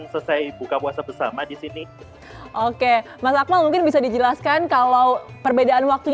bisa saya buka puasa bersama di sini oke masak mungkin bisa dijelaskan kalau perbedaan waktunya